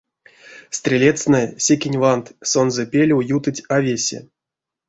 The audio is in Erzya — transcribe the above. Стрелецтнэ, секень вант, сонзэ пелев ютыть а весе.